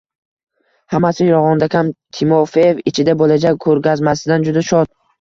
Hammasi yolgʻondakam, Timofeev ichida boʻlajak koʻrgazmasidan juda shod.